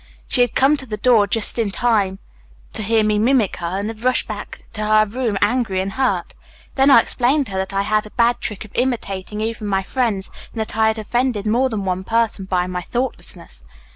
She had come to the door just in time to hear me mimic her, and had rushed back to her room angry and hurt. Then I explained to her that I had a bad trick of imitating even my friends, and that I had offended more than one person by my thoughtlessness.